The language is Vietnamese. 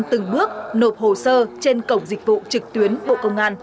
từng bước nộp hồ sơ trên cổng dịch vụ trực tuyến bộ công an